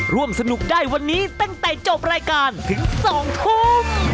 ร่วมสนุกได้วันนี้ตั้งแต่จบรายการถึง๒ทุ่ม